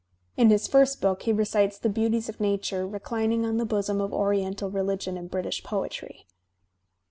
In his first book he recites the beauties of nature redining on the bosom of oriental reUgion and British poetry.